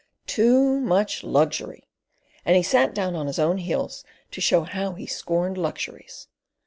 "Too much luxury!" and he sat down on his own heels to show how he scorned luxuries.